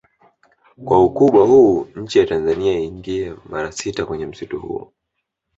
Kwa ukubwa huu nchi ya Tanzania iingie mara sita kwenye msitu huo